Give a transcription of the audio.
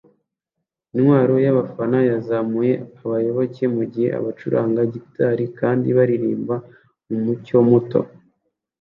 Intwaro yabafana yazamuye abayoboke mugihe bacuranga gitari kandi baririmba mumucyo muto